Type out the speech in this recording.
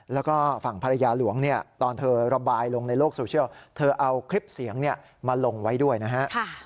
แล้วก็ฝั่งภรรยาหลวงเนี่ยตอนเธอระบายลงในโลกโซเชียลเธอเอาคลิปเสียงมาลงไว้ด้วยนะฮะ